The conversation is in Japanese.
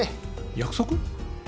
約束？